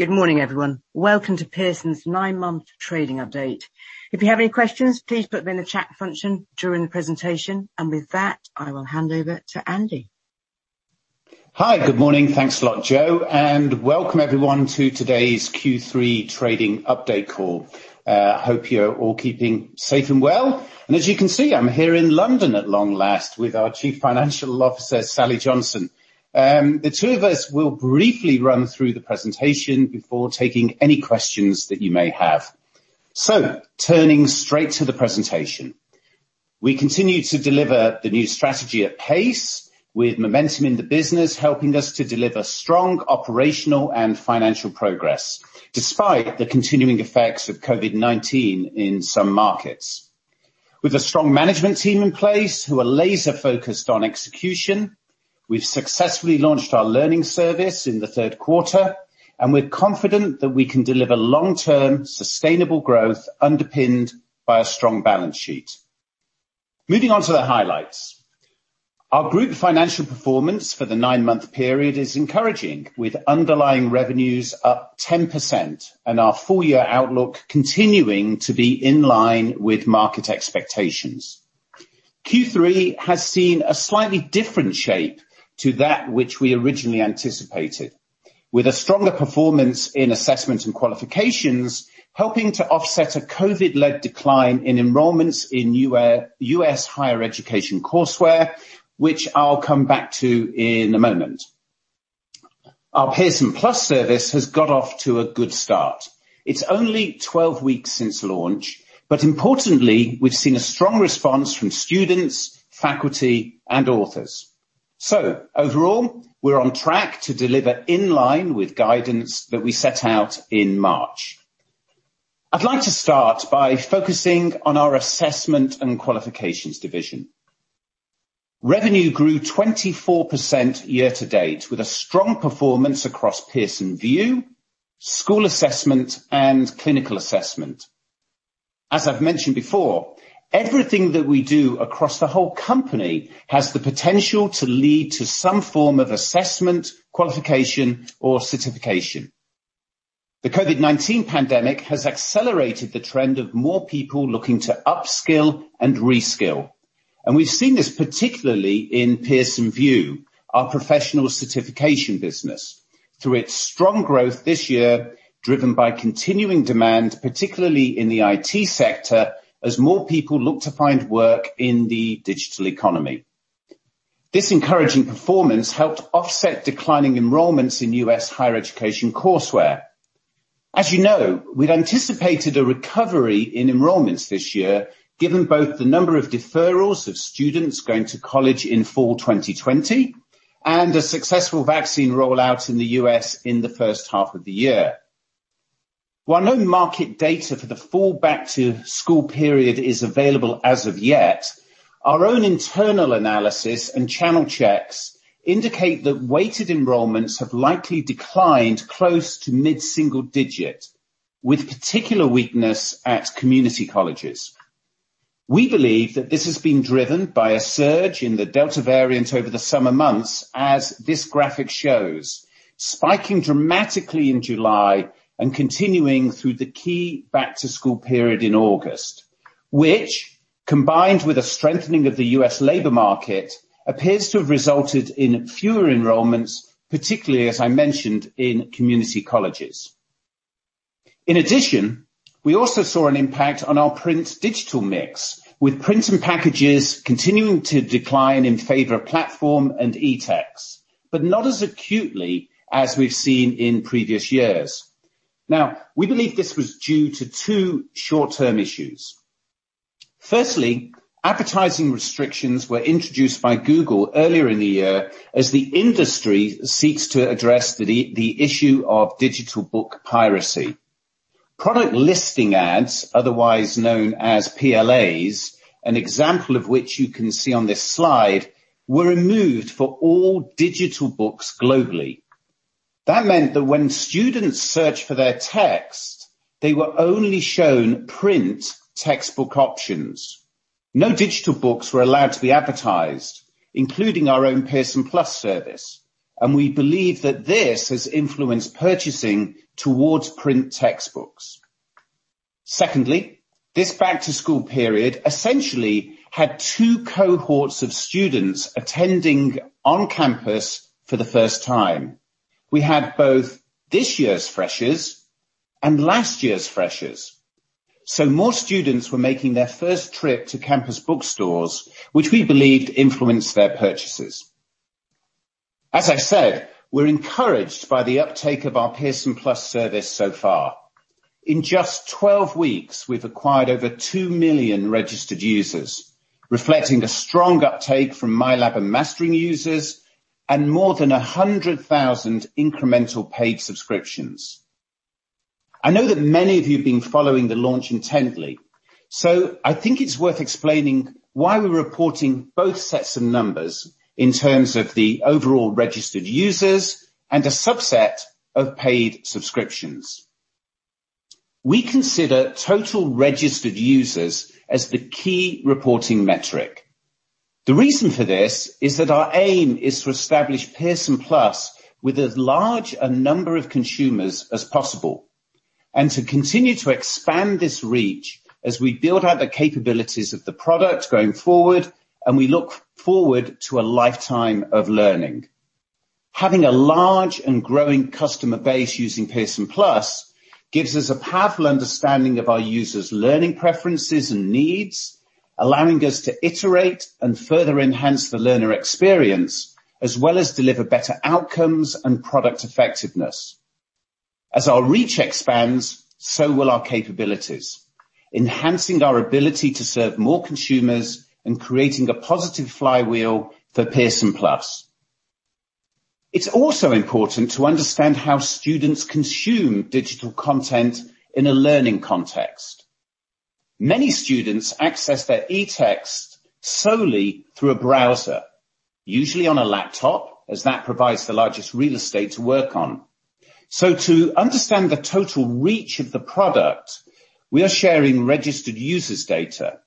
Good morning, everyone. Welcome to Pearson's nine-month trading update. If you have any questions, please put them in the chat function during the presentation. With that, I will hand over to Andy. Hi. Good morning. Thanks a lot, [Jo], welcome everyone to today's Q3 Trading Update Call. Hope you're all keeping safe and well. As you can see, I'm here in London at long last with our Chief Financial Officer, Sally Johnson. The two of us will briefly run through the presentation before taking any questions that you may have. Turning straight to the presentation. We continue to deliver the new strategy at pace with momentum in the business, helping us to deliver strong operational and financial progress, despite the continuing effects of COVID-19 in some markets. With a strong management team in place who are laser-focused on execution, we've successfully launched our learning service in the third quarter, we're confident that we can deliver long-term sustainable growth underpinned by a strong balance sheet. Moving on to the highlights. Our group financial performance for the nine-month period is encouraging, with underlying revenues up 10% and our full year outlook continuing to be in line with market expectations. Q3 has seen a slightly different shape to that which we originally anticipated. With a stronger performance in assessment and qualifications, helping to offset a COVID-led decline in enrollments in U.S. Higher Education courseware, which I'll come back to in a moment. Our Pearson+ service has got off to a good start. It's only 12 weeks since launch, but importantly, we've seen a strong response from students, faculty, and authors. Overall, we're on track to deliver in line with guidance that we set out in March. I'd like to start by focusing on our assessment and qualifications division. Revenue grew 24% year-to-date, with a strong performance across Pearson VUE, school assessment, and clinical assessment. As I've mentioned before, everything that we do across the whole company has the potential to lead to some form of assessment, qualification, or certification. The COVID-19 pandemic has accelerated the trend of more people looking to up-skill and re-skill, and we've seen this particularly in Pearson VUE, our professional certification business, through its strong growth this year, driven by continuing demand, particularly in the IT sector, as more people look to find work in the digital economy. This encouraging performance helped offset declining enrollments in U.S. Higher Education courseware. As you know, we'd anticipated a recovery in enrollments this year, given both the number of deferrals of students going to college in fall 2020 and a successful vaccine rollout in the U.S. in the first half of the year. While no market data for the fall back to school period is available as of yet, our own internal analysis and channel checks indicate that weighted enrollments have likely declined close to mid-single digit, with particular weakness at community colleges. We believe that this has been driven by a surge in the Delta variant over the summer months, as this graphic shows, spiking dramatically in July and continuing through the key back-to-school period in August, which, combined with a strengthening of the U.S. labor market, appears to have resulted in fewer enrollments, particularly, as I mentioned, in community colleges. We also saw an impact on our print-digital mix, with print and packages continuing to decline in favor of platform and eTexts, but not as acutely as we've seen in previous years. We believe this was due to two short-term issues. Advertising restrictions were introduced by Google earlier in the year as the industry seeks to address the issue of digital book piracy. Product Listing Ads, otherwise known as PLAs, an example of which you can see on this slide, were removed for all digital books globally. When students searched for their text, they were only shown print textbook options. No digital books were allowed to be advertised, including our own Pearson+ service, and we believe that this has influenced purchasing towards print textbooks. Secondly, this back-to-school period essentially had two cohorts of students attending on campus for the first time. We had both this year's freshers and last year's freshers, so more students were making their first trip to campus bookstores, which we believe influenced their purchases. As I said, we're encouraged by the uptake of our Pearson+ service so far. In just 12 weeks, we've acquired over 2 million registered users, reflecting a strong uptake from MyLab and Mastering users and more than 100,000 incremental paid subscriptions. I know that many of you have been following the launch intently, so I think it's worth explaining why we're reporting both sets of numbers in terms of the overall registered users and a subset of paid subscriptions. We consider total registered users as the key reporting metric. The reason for this is that our aim is to establish Pearson+ with as large a number of consumers as possible, and to continue to expand this reach as we build out the capabilities of the product going forward and we look forward to a lifetime of learning. Having a large and growing customer base using Pearson+ gives us a powerful understanding of our users' learning preferences and needs, allowing us to iterate and further enhance the learner experience, as well as deliver better outcomes and product effectiveness. As our reach expands, so will our capabilities, enhancing our ability to serve more consumers and creating a positive flywheel for Pearson+. It's also important to understand how students consume digital content in a learning context. Many students access their eText solely through a browser, usually on a laptop, as that provides the largest real estate to work on. To understand the total reach of the product, we are sharing registered users' data.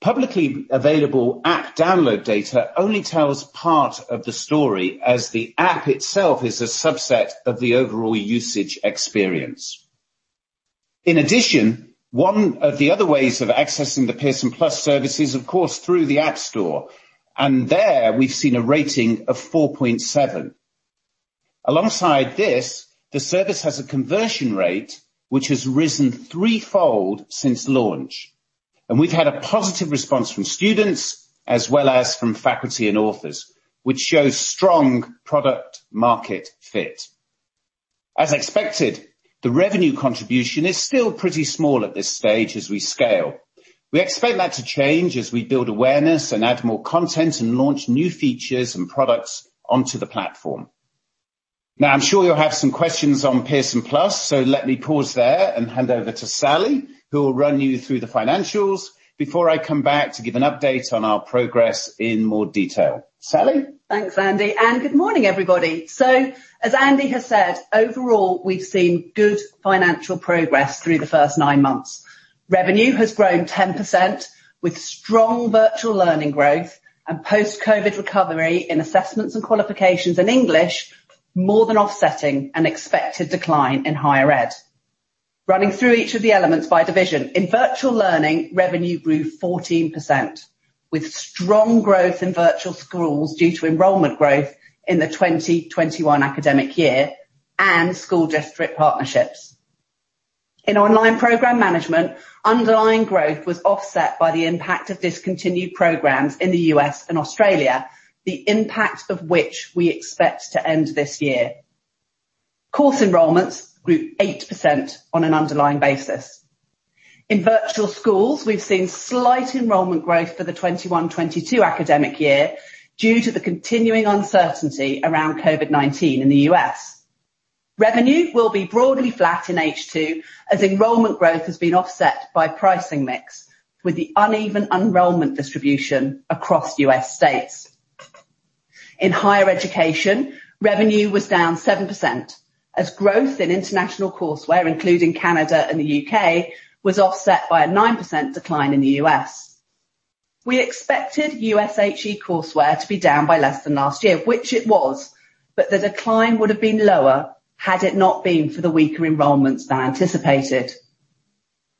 Publicly available app download data only tells part of the story, as the app itself is a subset of the overall usage experience. In addition, one of the other ways of accessing the Pearson+ service is, of course, through the App Store, and there we've seen a rating of 4.7. Alongside this, the service has a conversion rate which has risen threefold since launch, and we've had a positive response from students as well as from faculty and authors, which shows strong product market fit. As expected, the revenue contribution is still pretty small at this stage as we scale. We expect that to change as we build awareness and add more content and launch new features and products onto the platform. Now, I'm sure you'll have some questions on Pearson+, so let me pause there and hand over to Sally, who will run you through the financials before I come back to give an update on our progress in more detail. Sally? Thanks, Andy and good morning, everybody. As Andy has said, overall, we've seen good financial progress through the first nine months. Revenue has grown 10% with strong Virtual Learning growth and post-COVID-19 recovery in assessments and qualifications in English, more than offsetting an expected decline in Higher Ed. Running through each of the elements by division, in Virtual Learning, revenue grew 14%, with strong growth in virtual schools due to enrollment growth in the 2020-2021 academic year and school district partnerships. In Online Program Management, underlying growth was offset by the impact of discontinued programs in the U.S. and Australia, the impact of which we expect to end this year. Course enrollments grew 8% on an underlying basis. In virtual schools, we've seen slight enrollment growth for the 2021-2022 academic year due to the continuing uncertainty around COVID-19 in the U.S. Revenue will be broadly flat in H2, as enrollment growth has been offset by pricing mix, with the uneven enrollment distribution across U.S. states. In Higher Education, revenue was down 7%, as growth in international courseware, including Canada and the U.K., was offset by a 9% decline in the U.S. We expected U.S. HE courseware to be down by less than last year, which it was, but the decline would have been lower had it not been for the weaker enrollments than anticipated.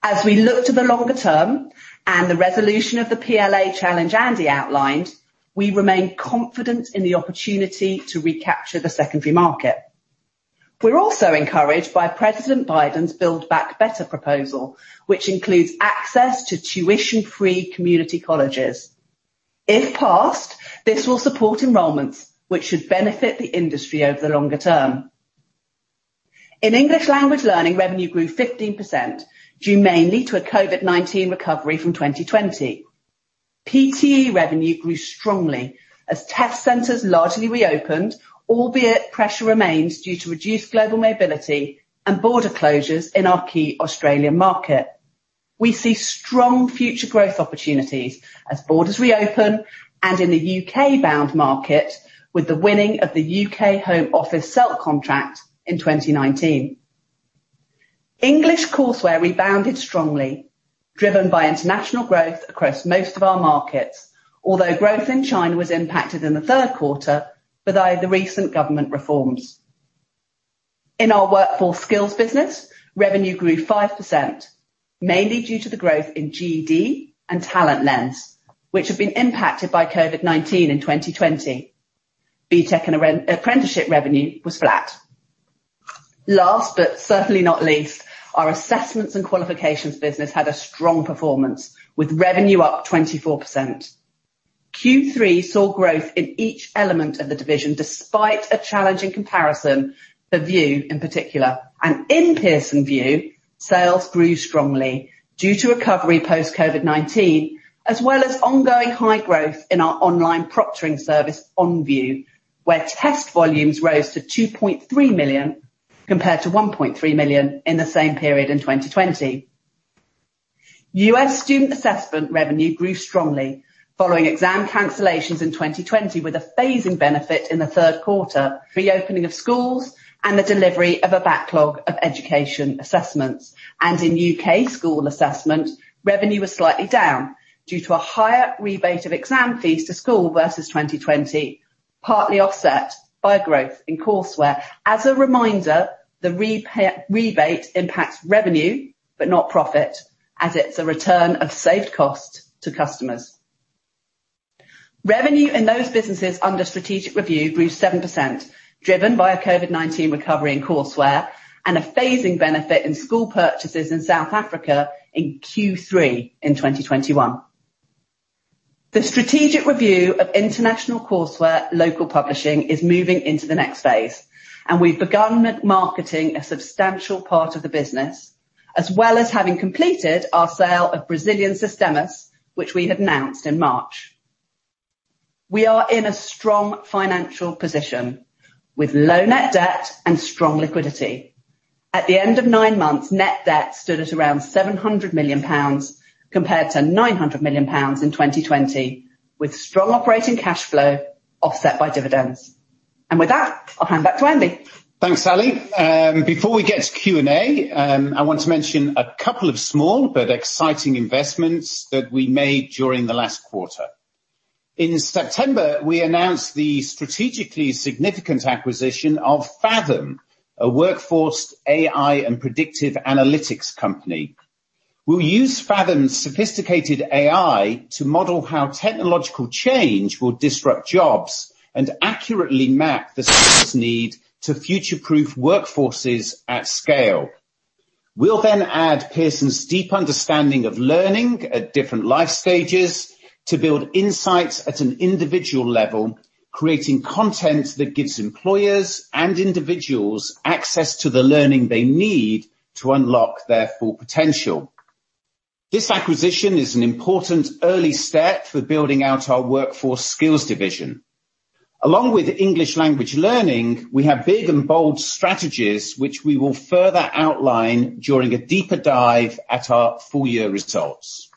As we look to the longer term and the resolution of the PLA challenge Andy outlined, we remain confident in the opportunity to recapture the secondary market. We're also encouraged by President Biden's Build Back Better proposal, which includes access to tuition-free community colleges. If passed, this will support enrollments, which should benefit the industry over the longer term. In English Language Learning, revenue grew 15%, due mainly to a COVID-19 recovery from 2020. PTE revenue grew strongly as test centers largely reopened, albeit pressure remains due to reduced global mobility and border closures in our key Australian market. We see strong future growth opportunities as borders reopen and in the U.K.-bound market, with the winning of the U.K. Home Office SELT contract in 2019. English courseware rebounded strongly, driven by international growth across most of our markets, although growth in China was impacted in the third quarter by the recent government reforms. In our Workforce Skills business, revenue grew 5%, mainly due to the growth in GED and TalentLens, which have been impacted by COVID-19 in 2020. BTEC and Apprenticeship revenue was flat. Last but certainly not least, our assessment and qualifications business had a strong performance, with revenue up 24%. Q3 saw growth in each element of the division, despite a challenging comparison for VUE in particular. In Pearson VUE, sales grew strongly due to recovery post-COVID-19, as well as ongoing high growth in our online proctoring service OnVUE, where test volumes rose to 2.3 million compared to 1.3 million in the same period in 2020. U.S. student assessment revenue grew strongly following exam cancellations in 2020, with a phasing benefit in the third quarter, reopening of schools and the delivery of a backlog of education assessments. In U.K. school assessment, revenue was slightly down due to a higher rebate of exam fees to school versus 2020, partly offset by growth in courseware. As a reminder, the rebate impacts revenue but not profit, as it's a return of saved cost to customers. Revenue in those businesses under strategic review grew 7%, driven by a COVID-19 recovery in courseware and a phasing benefit in school purchases in South Africa in Q3 2021. The strategic review of international courseware local publishing is moving into the next phase, and we've begun marketing a substantial part of the business, as well as having completed our sale of Brazilian Sistemas, which we had announced in March. We are in a strong financial position with low net debt and strong liquidity. At the end of nine months, net debt stood at around 700 million pounds, compared to 900 million pounds in 2020, with strong operating cash flow offset by dividends. With that, I'll hand back to Andy. Thanks, Sally. Before we get to Q&A, I want to mention a couple of small but exciting investments that we made during the last quarter. In September, we announced the strategically significant acquisition of Faethm, a workforce AI and predictive analytics company. We'll use Faethm's sophisticated AI to model how technological change will disrupt jobs and accurately map the need to future-proof workforces at scale. We'll then add Pearson's deep understanding of learning at different life stages to build insights at an individual level, creating content that gives employers and individuals access to the learning they need to unlock their full potential. This acquisition is an important early step for building out our Workforce Skills division. Along with English Language Learning, we have big and bold strategies which we will further outline during a deeper dive at our full year results.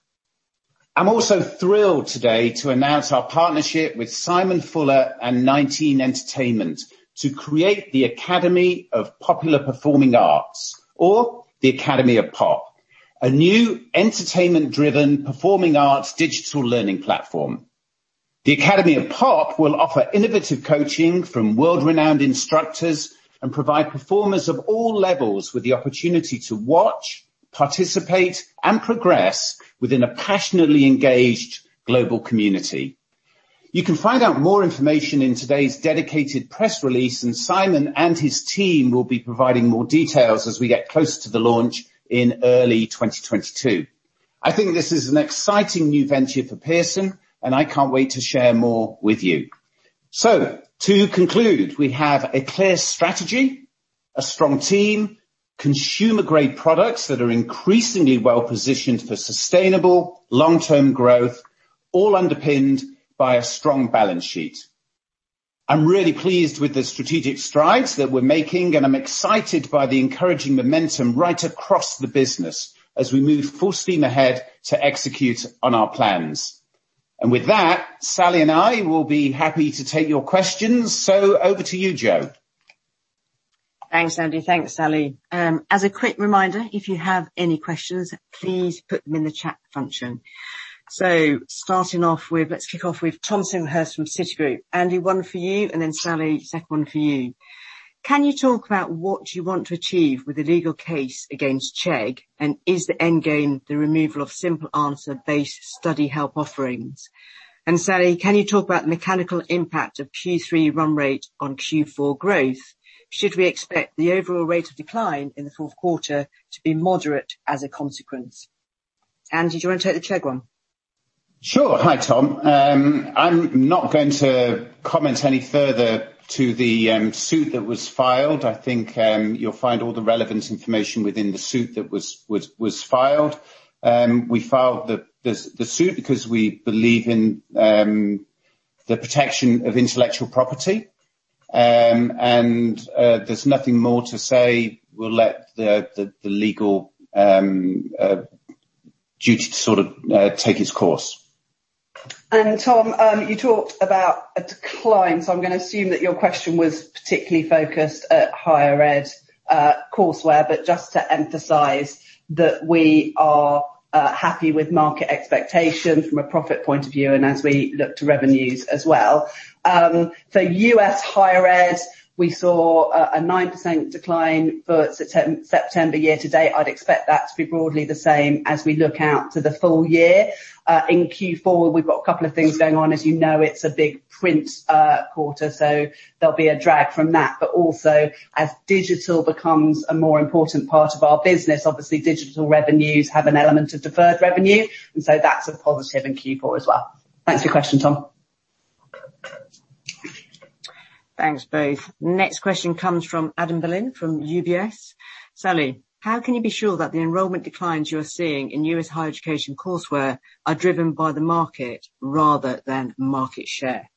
I'm also thrilled today to announce our partnership with Simon Fuller and 19 Entertainment to create the Academy of Popular Performing Arts or the Academy of Pop, a new entertainment-driven performing arts digital learning platform. The Academy of Pop will offer innovative coaching from world-renowned instructors and provide performers of all levels with the opportunity to watch, participate, and progress within a passionately engaged global community. You can find out more information in today's dedicated press release, and Simon and his team will be providing more details as we get closer to the launch in early 2022. I think this is an exciting new venture for Pearson, and I can't wait to share more with you. To conclude, we have a clear strategy, a strong team, consumer-grade products that are increasingly well-positioned for sustainable long-term growth, all underpinned by a strong balance sheet. I'm really pleased with the strategic strides that we're making, and I'm excited by the encouraging momentum right across the business as we move full steam ahead to execute on our plans. With that, Sally and I will be happy to take your questions. Over to you, Jo. Thanks, Andy. Thanks, Sally. As a quick reminder, if you have any questions, please put them in the chat function. Starting off with, let's kick off with Tom ap Simon from Citigroup. Andy, one for you and then Sally, second one for you. Can you talk about what you want to achieve with the legal case against Chegg? Is the end game the removal of simple answer-based study help offerings? Sally, can you talk about the mechanical impact of Q3 run rate on Q4 growth? Should we expect the overall rate of decline in the fourth quarter to be moderate as a consequence? Andy, do you want to take the Chegg one? Sure. Hi, Tom. I'm not going to comment any further to the suit that was filed. I think you'll find all the relevant information within the suit that was filed. We filed the suit because we believe in the protection of intellectual property. There's nothing more to say. We'll let the legal duty to sort of take its course. Tom, you talked about a decline, so I'm going to assume that your question was particularly focused at Higher Ed courseware. Just to emphasize that we are happy with market expectation from a profit point of view and as we look to revenues as well. For U.S. Higher Ed, we saw a 9% decline for September year-to-date. I'd expect that to be broadly the same as we look out to the full year. In Q4, we've got a couple of things going on. As you know, it's a big print quarter, so there'll be a drag from that. Also as digital becomes a more important part of our business, obviously digital revenues have an element of deferred revenue, and so that's a positive in Q4 as well. Thanks for your question, Tom. Thanks, both. Question comes from Adam Berlin from UBS. Sally, how can you be sure that the enrollment declines you're seeing in U.S. Higher Education courseware are driven by the market rather than market share?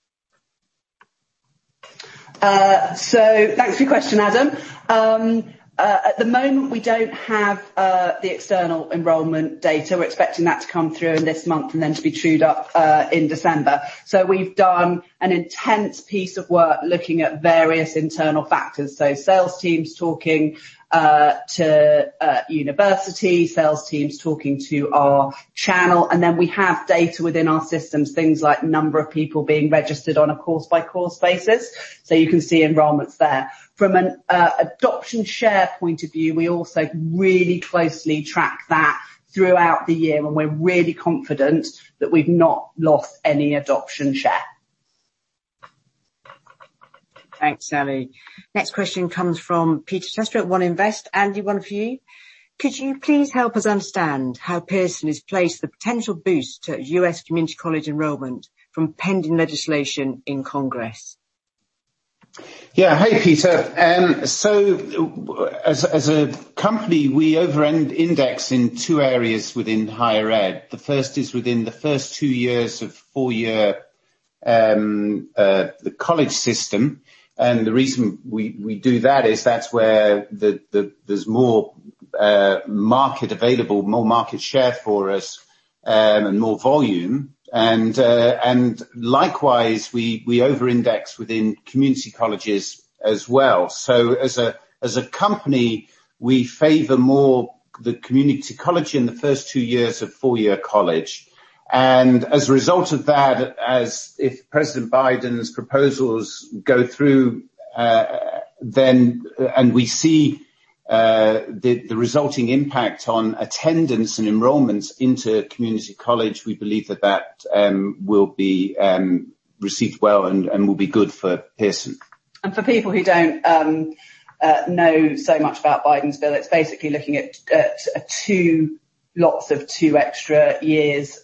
Thanks for your question, Adam. At the moment, we don't have the external enrollment data. We're expecting that to come through in this month and then to be trued up in December. We've done an intense piece of work looking at various internal factors. Sales teams talking to university, sales teams talking to our channel, and then we have data within our systems, things like number of people being registered on a course-by-course basis. You can see enrollments there. From an adoption share point of view, we also really closely track that throughout the year, and we're really confident that we've not lost any adoption share. Thanks, Sally. Next question comes from Peter Chester at One Invest. Andy, one for you. Could you please help us understand how Pearson has placed the potential boost to U.S. community college enrollment from pending legislation in Congress? Yeah. Hey, Peter. As a company, we over-index in two areas within Higher Ed. The first is within the first two years of four-year college system. The reason we do that is that's where there's more market available, more market share for us, and more volume. Likewise, we over-index within community colleges as well. As a company, we favor more the community college in the first two years of four-year college. As a result of that, if President Biden's proposals go through, and we see the resulting impact on attendance and enrollment into community college, we believe that will be received well and will be good for Pearson. For people who don't know so much about Biden's bill, it's basically looking at lots of two extra years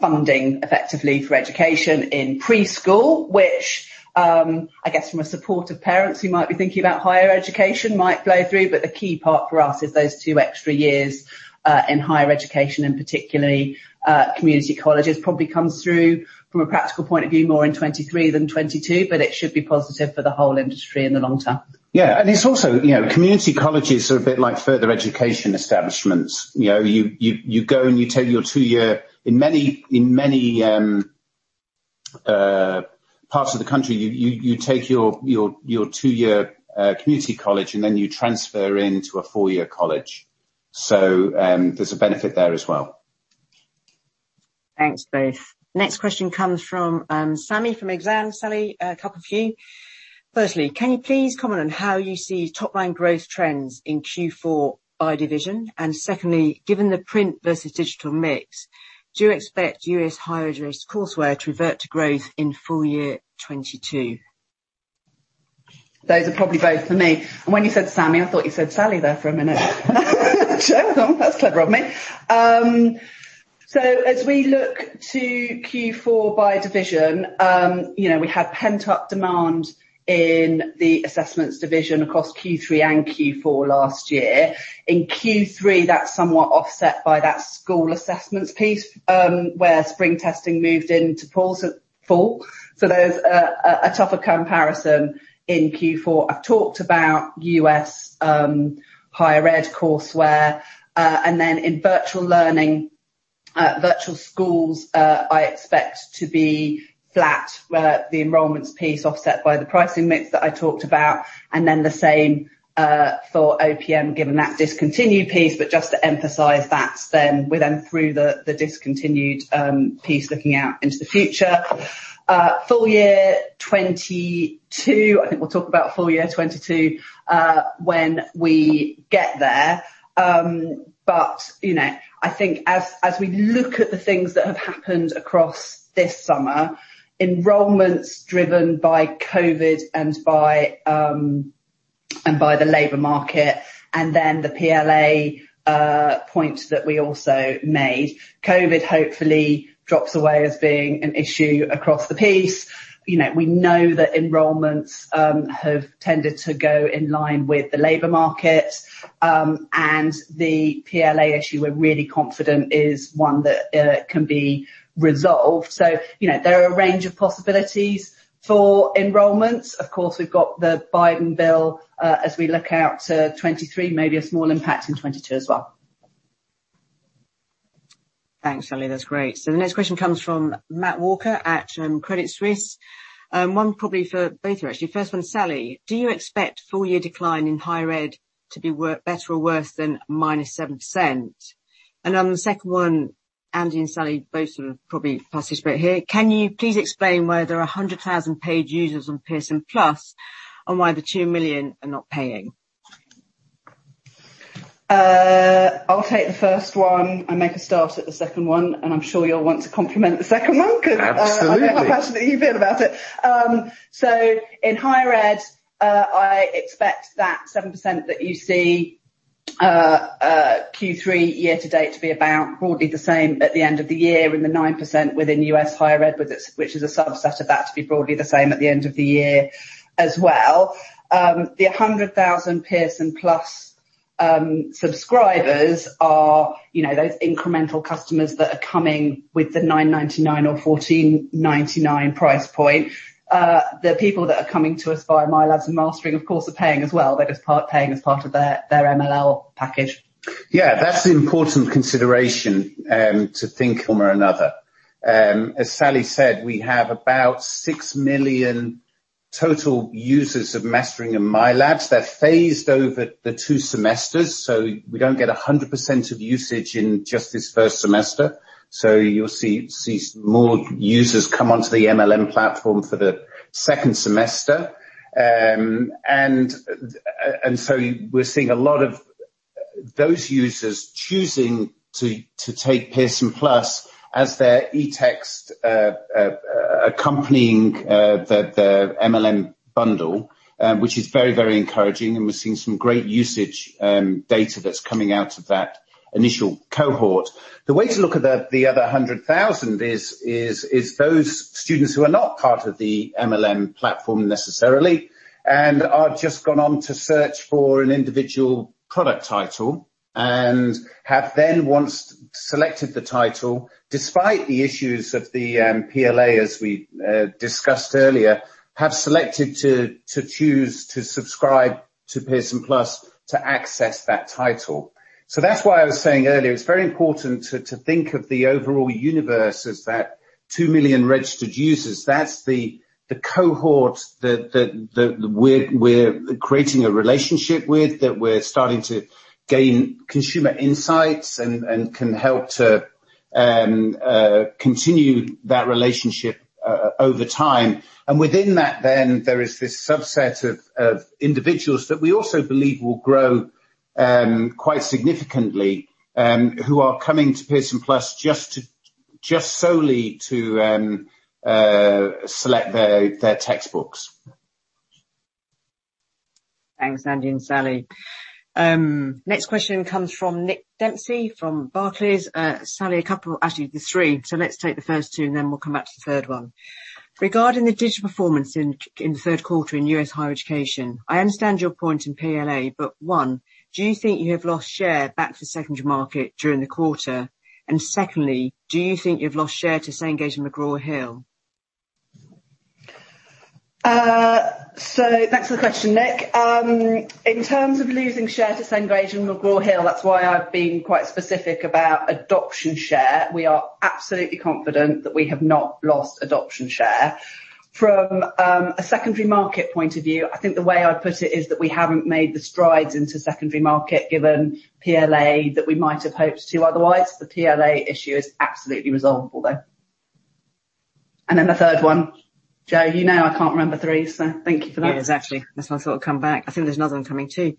funding effectively for education in preschool, which I guess from a support of parents who might be thinking about Higher Education might flow through. The key part for us is those two extra years in Higher Education and particularly community colleges probably comes through from a practical point of view more in 2023 than 2022, but it should be positive for the whole industry in the long term. Yeah. It's also community colleges are a bit like further education establishments. In many parts of the country, you take your two-year community college, and then you transfer into a four-year college. There's a benefit there as well. Thanks, both. Next question comes from Sami from Exane. Sami, a couple for you. Firstly, can you please comment on how you see top-line growth trends in Q4 by division? Secondly, given the print versus digital mix, do you expect U.S. Higher Ed courseware to revert to growth in full year 2022? Those are probably both for me. When you said Sami, I thought you said Sally there for a minute. That's clever of me. As we look to Q4 by division, we had pent-up demand in the assessment and qualifications across Q3 and Q4 last year. In Q3, that's somewhat offset by that school assessments piece, where spring testing moved into fall. There's a tougher comparison in Q4. I've talked about U.S. Higher Ed courseware. In Virtual Learning, Virtual Schools, I expect to be flat, where the enrollments piece offset by the pricing mix that I talked about, the same for OPM, given that discontinued piece. Just to emphasize that we're through the discontinued piece looking out into the future. Full year 2022, I think we'll talk about full year 2022 when we get there. I think as we look at the things that have happened across this summer, enrollments driven by COVID and by the labor market, and then the PLA point that we also made. COVID hopefully drops away as being an issue across the piece. We know that enrollments have tended to go in line with the labor market. The PLA issue, we're really confident is one that can be resolved. There are a range of possibilities for enrollments. Of course, we've got the Biden bill as we look out to 2023, maybe a small impact in 2022 as well. Thanks, Sally. That's great. The next question comes from Matt Walker at Credit Suisse. One probably for both of you, actually. First one, Sally, do you expect full year decline in higher ed to be better or worse than -7%? On the second one, Andy and Sally, both of you probably participate here. Can you please explain why there are 100,000 paid users on Pearson+ and why the 2 million are not paying? I'll take the first one and make a start at the second one, and I'm sure you'll want to complement the second one. Absolutely I don't know how passionately you feel about it. In Higher Ed, I expect that 7% that you see Q3 year-to-date to be about broadly the same at the end of the year and the 9% within U.S. Higher Ed, which is a subset of that to be broadly the same at the end of the year as well. The 100,000 Pearson+ subscribers are those incremental customers that are coming with the 9.99 or 14.99 price point. The people that are coming to us via MyLab and Mastering, of course, are paying as well. They're just part paying as part of their ELL package. Yeah. That's the important consideration to think one way or another. As Sally said, we have about 6 million total users of Mastering and MyLabs. They're phased over the two semesters, so we don't get 100% of usage in just this first semester. We're seeing a lot of those users choosing to take Pearson+ as their eText accompanying the MyLab bundle, which is very, very encouraging, and we're seeing some great usage data that's coming out of that initial cohort. The way to look at the other 100,000 is those students who are not part of the MyLab platform necessarily and are just gone on to search for an individual product title, and have then, once selected the title, despite the issues of the PLA, as we discussed earlier, have selected to choose to subscribe to Pearson+ to access that title. That's why I was saying earlier, it's very important to think of the overall universe as that 2 million registered users. That's the cohort that we're creating a relationship with, that we're starting to gain consumer insights and can help to continue that relationship over time. Within that, then, there is this subset of individuals that we also believe will grow quite significantly, who are coming to Pearson+ just solely to select their textbooks. Thanks, Andy and Sally. Next question comes from Nick Dempsey from Barclays. Sally, actually, there's three. Let's take the first two and then we will come back to the third one. Regarding the digital performance in the third quarter in U.S. Higher Education, I understand your point in PLA, but one, do you think you have lost share back to the secondary market during the quarter? Secondly, do you think you have lost share to Cengage and McGraw-Hill? Thanks for the question, Nick. In terms of losing share to Cengage and McGraw-Hill, that's why I've been quite specific about adoption share. We are absolutely confident that we have not lost adoption share. From a secondary market point of view, I think the way I'd put it is that we haven't made the strides into secondary market, given PLA, that we might have hoped to otherwise. The PLA issue is absolutely resolvable, though. Then the third one. Jo, you know I can't remember three, thank you for that. Yes, actually. That's why I thought I'd come back. I think there's another one coming, too.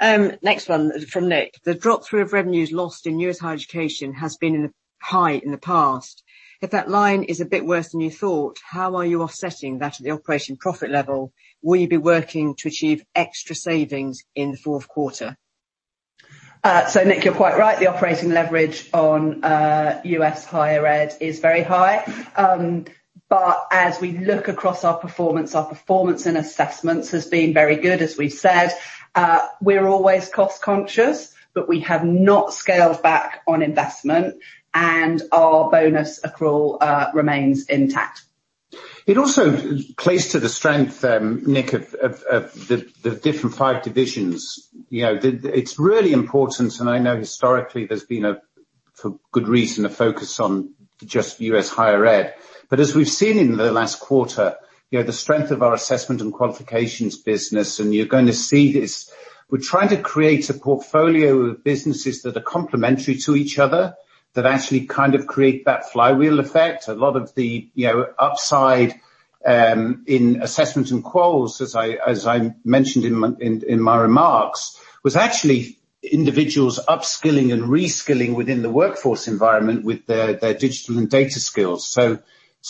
Next one from Nick: The drop-through of revenues lost in U.S. Higher Education has been high in the past. If that line is a bit worse than you thought, how are you offsetting that at the operating profit level? Will you be working to achieve extra savings in the fourth quarter? Nick, you're quite right. The operating leverage on U.S. Higher Ed is very high. As we look across our performance, our performance and Assessments has been very good, as we've said. We're always cost-conscious, but we have not scaled back on investment, and our bonus accrual remains intact. It also plays to the strength, Nick, of the different five divisions. It's really important, and I know historically there's been a, for good reason, a focus on just U.S. Higher Ed. As we've seen in the last quarter, the strength of our assessment and qualifications business, and you're going to see this, we're trying to create a portfolio of businesses that are complementary to each other that actually kind of create that flywheel effect. A lot of the upside in assessment and quals, as I mentioned in my remarks, was actually individuals upskilling and reskilling within the workforce environment with their digital and data skills.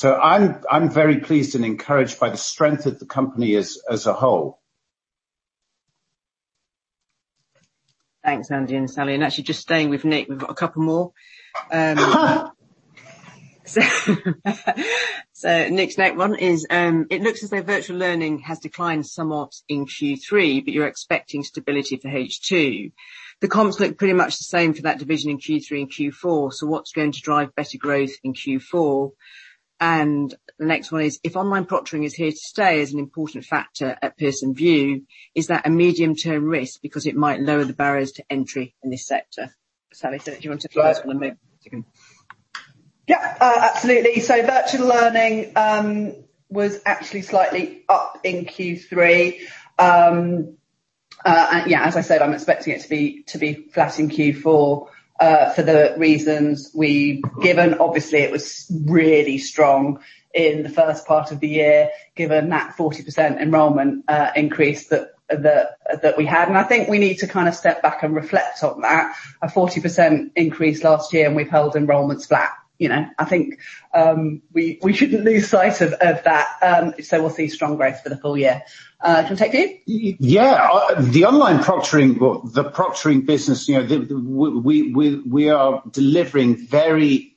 I'm very pleased and encouraged by the strength of the company as a whole. Thanks, Andy and Sally. Actually, just staying with Nick, we've got a couple more. Nick's next one is: It looks as though Virtual Learning has declined somewhat in Q3, but you're expecting stability for H2. The comps look pretty much the same for that division in Q3 and Q4, what's going to drive better growth in Q4? The next one is, if online proctoring is here to stay as an important factor at Pearson VUE, is that a medium-term risk because it might lower the barriers to entry in this sector? Sally, do you want to take this one and then Nick? Yeah. Absolutely. Virtual Learning was actually slightly up in Q3. Yeah, as I said, I'm expecting it to be flat in Q4 for the reasons we've given. Obviously, it was really strong in the first part of the year, given that 40% enrollment increase that we had. I think we need to kind of step back and reflect on that. A 40% increase last year and we've held enrollments flat. I think we shouldn't lose sight of that. We'll see strong growth for the full year. Do you want to take the other? The online proctoring business, we are delivering very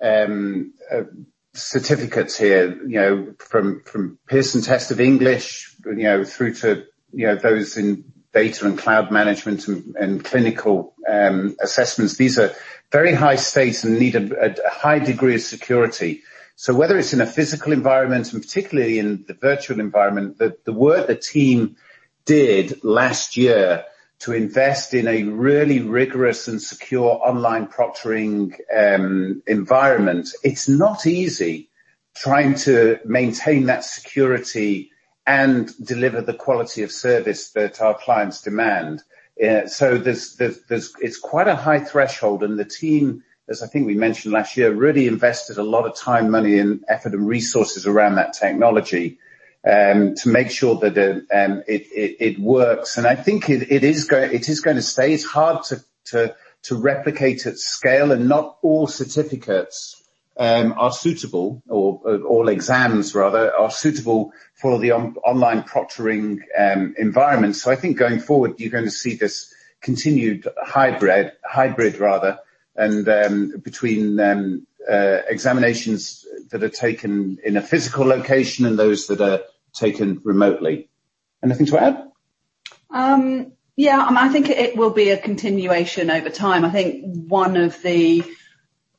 high-stake certificates here from Pearson Test of English through to those in data and cloud management and clinical assessments. These are very high stakes and need a high degree of security. Whether it's in a physical environment, and particularly in the virtual environment, the work the team did last year to invest in a really rigorous and secure online proctoring environment, it's not easy trying to maintain that security and deliver the quality of service that our clients demand. It's quite a high threshold. The team, as I think we mentioned last year, really invested a lot of time, money and effort and resources around that technology, to make sure that it works. I think it is going to stay. It's hard to replicate at scale, and not all certificates are suitable, or all exams rather, are suitable for the online proctoring environment. I think going forward, you're going to see this continued hybrid and between examinations that are taken in a physical location and those that are taken remotely. Anything to add? Yeah. I think it will be a continuation over time. I think one of the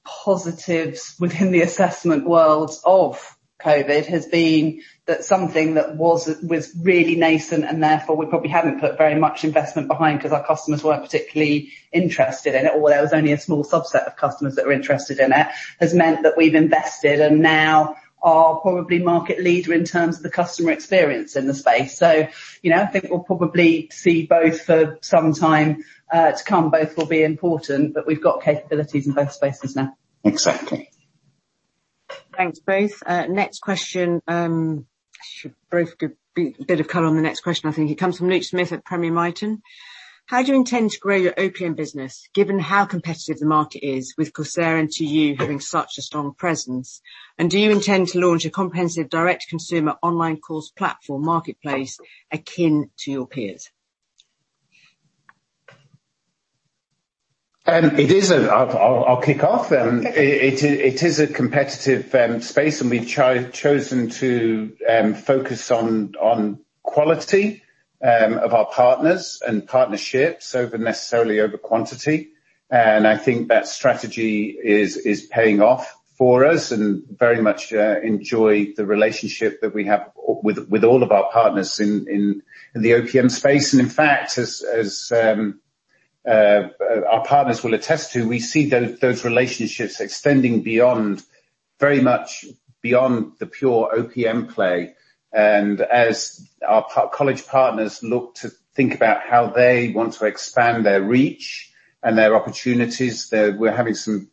positives within the assessment world of COVID-19 has been that something that was really nascent and therefore we probably haven't put very much investment behind because our customers weren't particularly interested in it, or there was only a small subset of customers that were interested in it, has meant that we've invested and now are probably market leader in terms of the customer experience in the space. I think we'll probably see both for some time to come. Both will be important, but we've got capabilities in both spaces now. Exactly. Thanks, both. Next question. You should both give bit of color on the next question, I think. It comes from Luke Holbrook at Premier Miton. How do you intend to grow your OPM business, given how competitive the market is with Coursera and 2U having such a strong presence? Do you intend to launch a comprehensive direct consumer online course platform marketplace akin to your peers? I'll kick off then. Okay. It is a competitive space, and we've chosen to focus on quality of our partners and partnerships over necessarily over quantity. I think that strategy is paying off for us, and very much enjoy the relationship that we have with all of our partners in the OPM space. In fact, as our partners will attest to, we see those relationships extending very much beyond the pure OPM play. As our college partners look to think about how they want to expand their reach and their opportunities, we're having some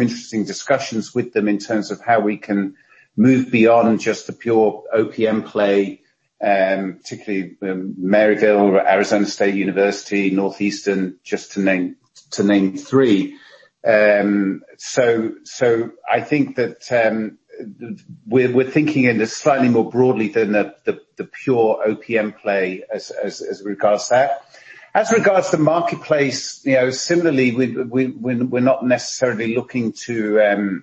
interesting discussions with them in terms of how we can move beyond just the pure OPM play, particularly with Maryville or Arizona State University, Northeastern, just to name three. I think that we're thinking it slightly more broadly than the pure OPM play as regards that. As regards to marketplace, similarly, we're not necessarily looking to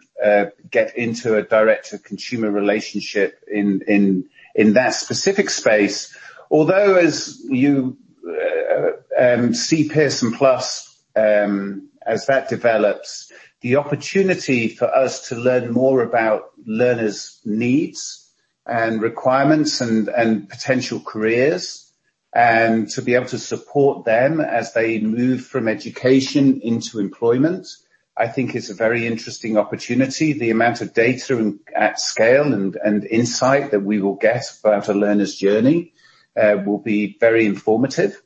get into a direct to consumer relationship in that specific space. As you see Pearson+, as that develops, the opportunity for us to learn more about learners' needs and requirements and potential careers, and to be able to support them as they move from education into employment, I think is a very interesting opportunity. The amount of data at scale and insight that we will get about a learner's journey will be very informative.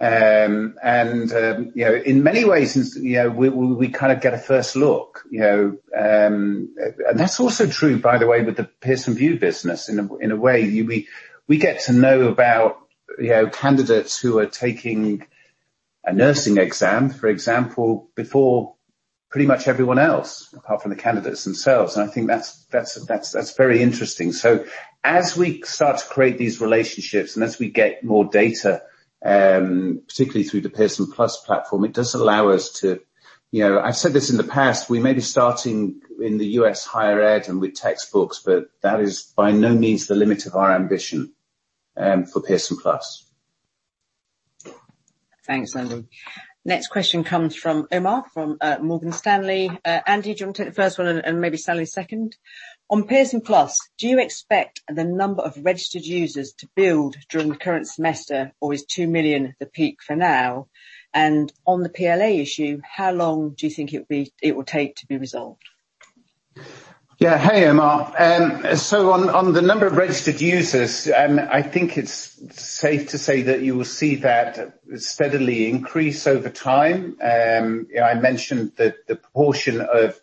In many ways, we kind of get a first look. That's also true, by the way, with the Pearson VUE business in a way. We get to know about candidates who are taking a nursing exam, for example, before pretty much everyone else, apart from the candidates themselves. I think that's very interesting. As we start to create these relationships and as we get more data, particularly through the Pearson+ platform, it does allow us to, I've said this in the past, we may be starting in the U.S. Higher Ed and with textbooks, but that is by no means the limit of our ambition for Pearson+. Thanks, Andy. Next question comes from Omar from Morgan Stanley. Andy, do you want to take the first one and maybe Sally second? On Pearson+, do you expect the number of registered users to build during the current semester, or is 2 million the peak for now? On the PLA issue, how long do you think it will take to be resolved? Yeah. Hey, Omar. On the number of registered users, I think it's safe to say that you will see that steadily increase over time. I mentioned the proportion of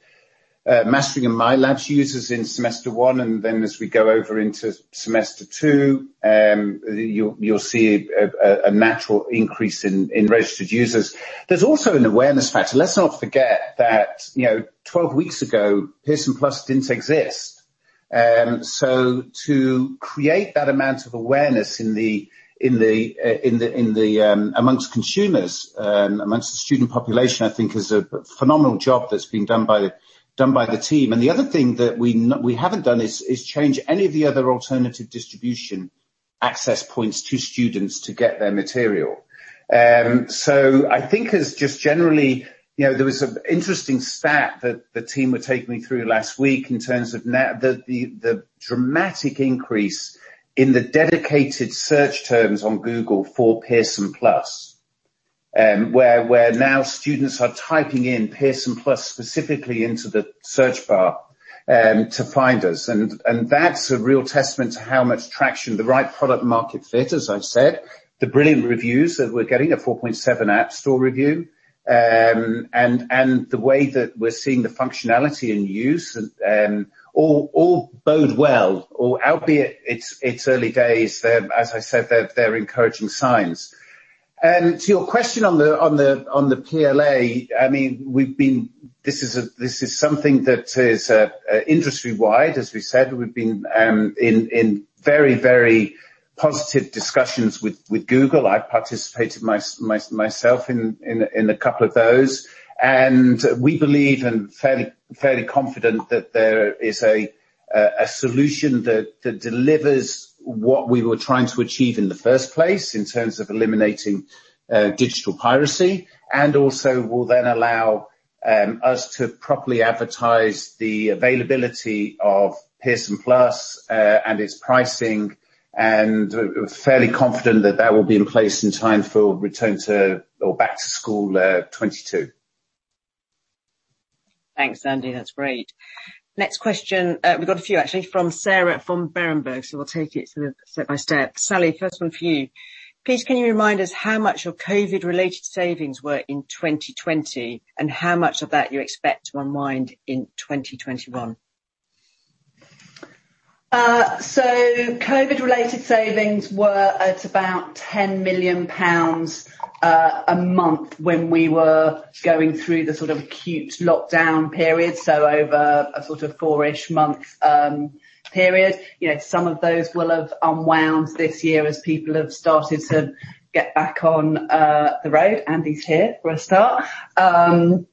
Mastering and MyLab users in semester one. As we go over into semester two, you'll see a natural increase in registered users. There's also an awareness factor. Let's not forget that 12 weeks ago, Pearson+ didn't exist. To create that amount of awareness amongst consumers, amongst the student population, I think is a phenomenal job that's been done by the team. The other thing that we haven't done is change any of the other alternative distribution access points to students to get their material. There was an interesting stat that the team were taking me through last week in terms of the dramatic increase in the dedicated search terms on Google for Pearson+, where now students are typing in Pearson+ specifically into the search bar to find us. That's a real testament to how much traction, the right product market fit, as I've said, the brilliant reviews that we're getting, a 4.7 App Store review, and the way that we're seeing the functionality and use all bode well. Albeit it's early days, as I said, they're encouraging signs. To your question on the PLA, this is something that is industry-wide, as we said, we've been in very positive discussions with Google. I participated myself in a couple of those, and we believe, and fairly confident that there is a solution that delivers what we were trying to achieve in the first place, in terms of eliminating digital piracy, and also will then allow us to properly advertise the availability of Pearson+, and its pricing, and fairly confident that that will be in place in time for return to or back to school 2022. Thanks, Andy. That's great. Next question. We've got a few actually, from Sarah from Berenberg, so we'll take it step by step. Sally, first one for you. Please, can you remind us how much your COVID-related savings were in 2020, and how much of that you expect to unwind in 2021? COVID-19-related savings were at about 10 million pounds a month when we were going through the acute lockdown period. Over a 4-ish month period. Some of those will have unwound this year as people have started to get back on the road. Andy is here, for a start. Some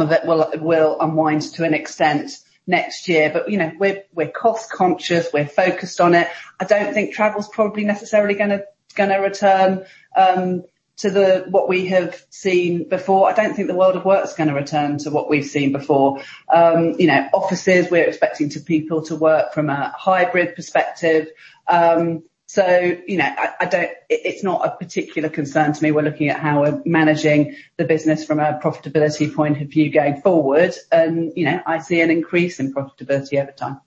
of it will unwind to an extent next year. We are cost-conscious, we are focused on it. I do not think travel is probably necessarily going to return to what we have seen before. I do not think the world of work is going to return to what we have seen before. Offices, we are expecting people to work from a hybrid perspective. It is not a particular concern to me. We are looking at how we are managing the business from a profitability point of view going forward, and I see an increase in profitability over time.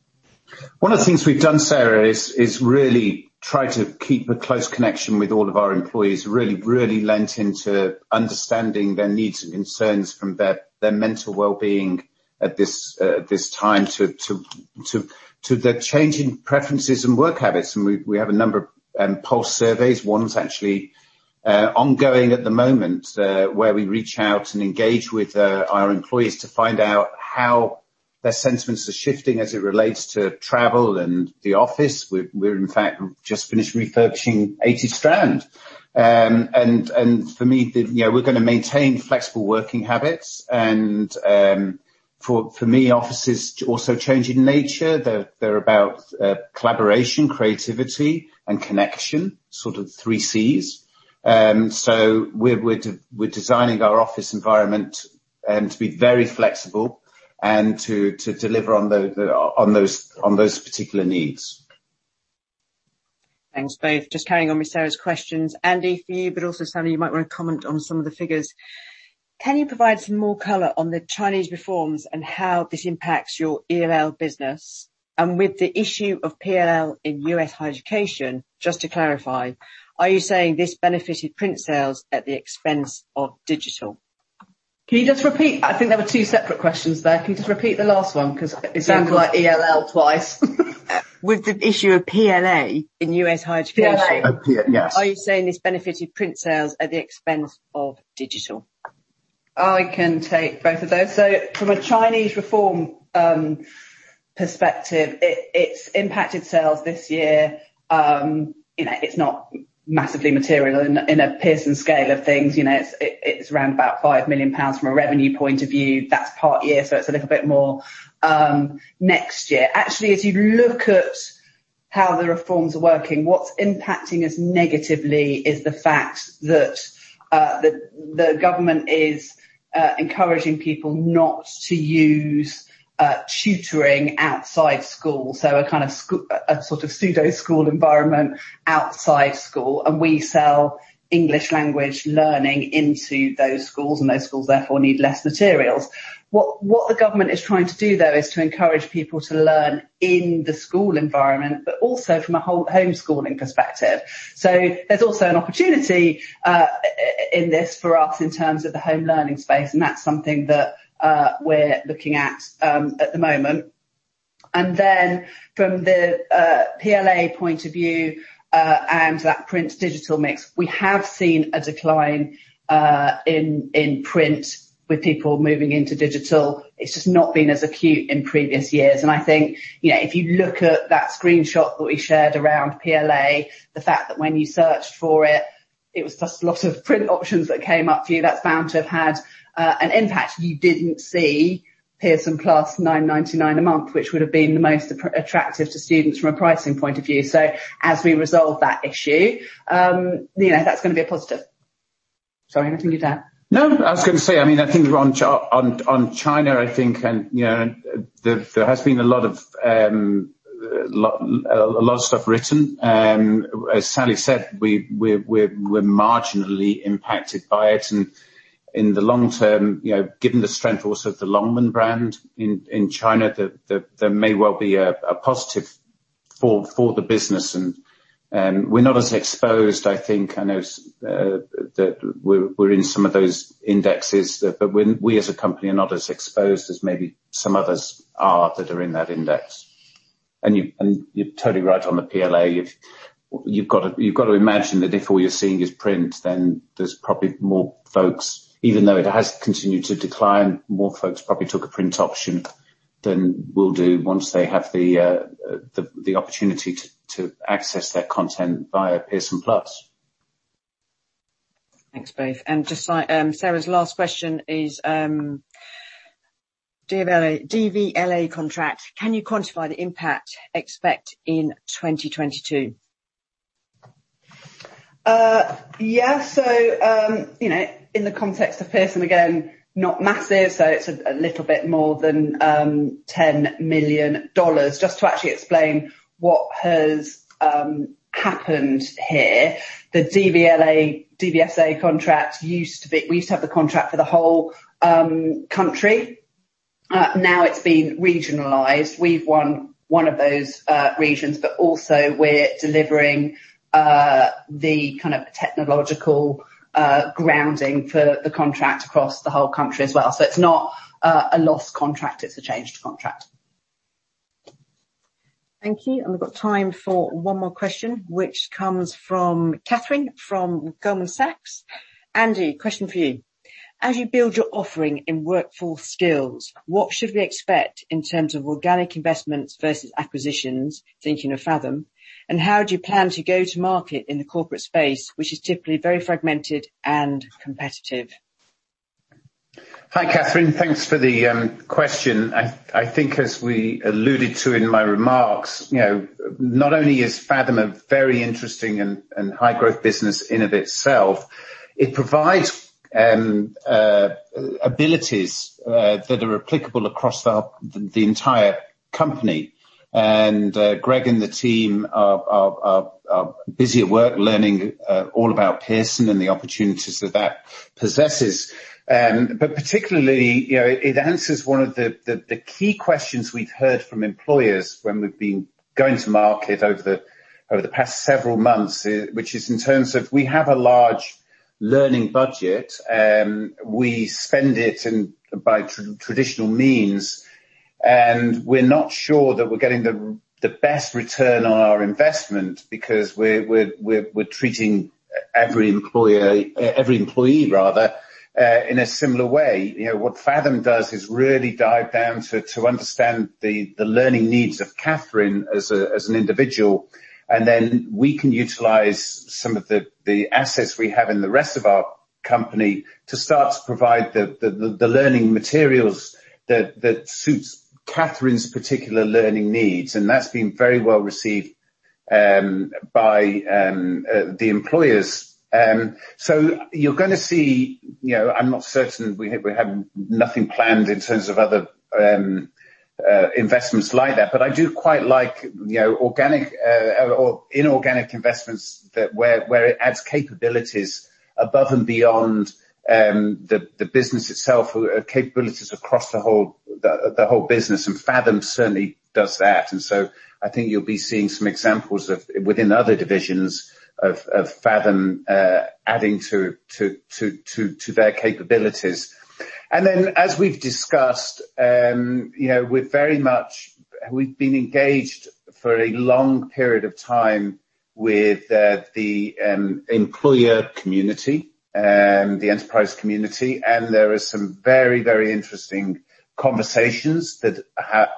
One of the things we've done, Sarah, is really try to keep a close connection with all of our employees. Really leaned into understanding their needs and concerns from their mental wellbeing at this time to their changing preferences and work habits. We have a number of pulse surveys. One's actually ongoing at the moment, where we reach out and engage with our employees to find out how their sentiments are shifting as it relates to travel and the office. We've in fact just finished refurbishing 80 Strand. For me, we're gonna maintain flexible working habits and for me, offices also change in nature. They're about collaboration, creativity and connection, sort of 3 Cs. We're designing our office environment to be very flexible and to deliver on those particular needs. Thanks, both. Just carrying on with Sarah's questions. Andy, for you, but also Sally, you might want to comment on some of the figures. Can you provide some more color on the Chinese reforms and how this impacts your ELL business? With the issue of PLA in U.S. Higher Education, just to clarify, are you saying this benefited print sales at the expense of digital? Can you just repeat? I think there were two separate questions there. Can you just repeat the last one? Because it sounded like ELL twice. With the issue of PLA in U.S. Higher Education. PLA. Oh, PLA. Yes. Are you saying this benefited print sales at the expense of digital? I can take both of those. From a Chinese reform perspective, it's impacted sales this year. It's not massively material in a Pearson scale of things. It's around about 5 million pounds from a revenue point of view. That's part year, so it's a little bit more next year. Actually, as you look at how the reforms are working, what's impacting us negatively is the fact that the government is encouraging people not to use tutoring outside school. A sort of pseudo school environment outside school, and we sell English Language Learning into those schools, and those schools therefore need less materials. What the government is trying to do, though, is to encourage people to learn in the school environment, but also from a home-schooling perspective. There's also an opportunity in this for us in terms of the home learning space, and that's something that we're looking at at the moment. From the PLA point of view, and that print digital mix, we have seen a decline in print with people moving into digital. It's just not been as acute in previous years. I think, if you look at that screenshot that we shared around PLA, the fact that when you searched for it was just a lot of print options that came up for you, that's bound to have had an impact. You didn't see Pearson+ 9.99 a month, which would have been the most attractive to students from a pricing point of view. As we resolve that issue, that's going to be a positive. Sorry, anything to add? No. I was going to say, I think on China, I think there has been a lot of stuff written. As Sally said, we're marginally impacted by it and in the long term, given the strength also of the Longman brand in China, there may well be a positive for the business. We're not as exposed, I think, I know that we're in some of those indexes, but we as a company are not as exposed as maybe some others are that are in that index. You're totally right on the PLA. You've got to imagine that if all you're seeing is print, then there's probably more folks, even though it has continued to decline, more folks probably took a print option than will do once they have the opportunity to access that content via Pearson+. Thanks, both. Sarah's last question is, DVLA contract, can you quantify the impact expect in 2022? In the context of Pearson, again, not massive, it's a little bit more than $10 million. Just to actually explain what has happened here. The DVLA, DVSA contract, we used to have the contract for the whole country. Now it's been regionalized. We've won one of those regions, but also we're delivering the kind of technological grounding for the contract across the whole country as well. It's not a lost contract, it's a changed contract. Thank you. We've got time for one more question, which comes from Katherine, from Goldman Sachs. Andy, question for you. As you build your offering in Workforce Skills, what should we expect in terms of organic investments versus acquisitions, thinking of Faethm? How do you plan to go to market in the corporate space, which is typically very fragmented and competitive? Hi, Katherine. Thanks for the question. I think as we alluded to in my remarks, not only is Faethm a very interesting and high growth business in of itself, it provides abilities that are applicable across the entire company. Greg and the team are busy at work learning all about Pearson and the opportunities that possesses. Particularly, it answers one of the key questions we've heard from employers when we've been going to market over the past several months, which is in terms of, we have a large learning budget. We spend it by traditional means, we're not sure that we're getting the best return on our investment because we're treating every employee rather, in a similar way. What Faethm does is really dive down to understand the learning needs of Katherine as an individual, then we can utilize some of the assets we have in the rest of our company to start to provide the learning materials that suits Katherine's particular learning needs. That's been very well received by the employers. You're gonna see, I'm not certain, we have nothing planned in terms of other investments like that. I do quite like organic or inorganic investments where it adds capabilities above and beyond the business itself, capabilities across the whole business. Faethm certainly does that. I think you'll be seeing some examples within other divisions of Faethm adding to their capabilities. As we've discussed, we've been engaged for a long period of time with the employer community, the enterprise community, there are some very, very interesting conversations that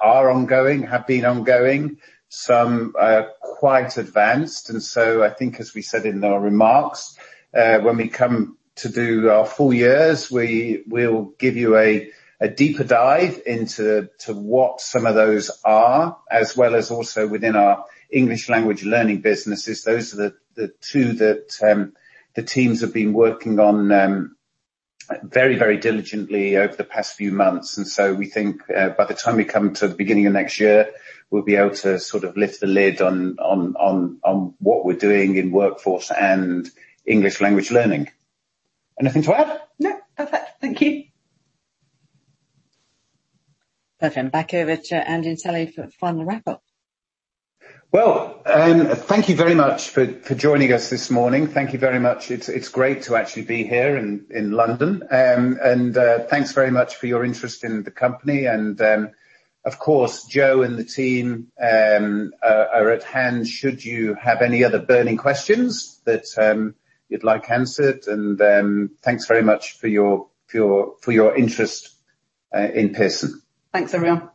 are ongoing, have been ongoing. Some are quite advanced. I think as we said in our remarks, when we come to do our full years, we'll give you a deeper dive into what some of those are, as well as also within our English Language Learning businesses. Those are the two that the teams have been working on very, very diligently over the past few months. We think by the time we come to the beginning of next year, we'll be able to sort of lift the lid on what we're doing in Workforce and English Language Learning. Anything to add? No. Perfect. Thank you. Perfect. Back over to Andy and Sally for final wrap-up. Well, thank you very much for joining us this morning. Thank you very much. It's great to actually be here in London. Thanks very much for your interest in the company. Of course, Jo and the team are at hand should you have any other burning questions that you'd like answered, and thanks very much for your interest in Pearson. Thanks, everyone.